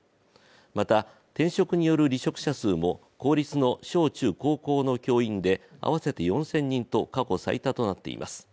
また転職による離職者数も公立の小・中・高校の教員で合わせて４０００人と過去最多となっています。